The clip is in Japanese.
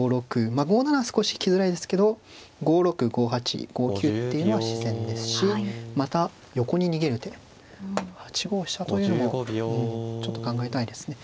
まあ５七は少し引きづらいですけど５六５八５九っていうのは自然ですしまた横に逃げる手８五飛車というのもちょっと考えたいですね。